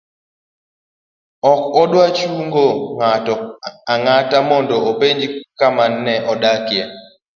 ok nodwa chungo ng'ato ang'ata mondo openj kama ne odakie